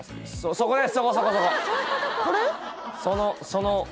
そこです